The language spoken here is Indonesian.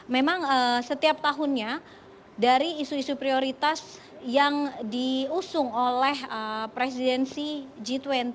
memang setiap tahunnya dari isu isu prioritas yang diusung oleh presidensi g dua puluh